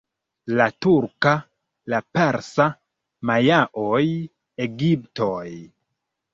La turka, la persa, majaoj, egiptoj.